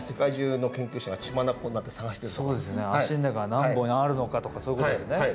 足が何本あるのかとかそういうことですね。